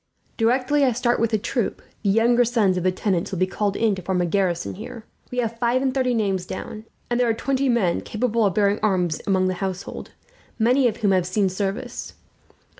"Directly I start with the troop, the younger sons of the tenants will be called in to form a garrison here. We have five and thirty names down, and there are twenty men capable of bearing arms among the household, many of whom have seen service.